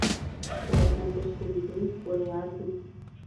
Por ejemplo: "Scooby-Doo, Where are You!".